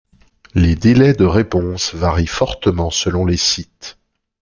Les délais de réponse varient fortement selon les sites.